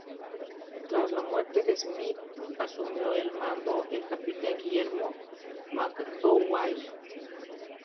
Tras la muerte de Smith asumió el mando el capitán Guillermo MacDougall.